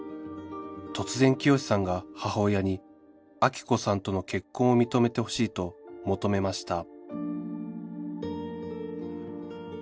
突然潔さんが母親にアキ子さんとの結婚を認めてほしいと求めました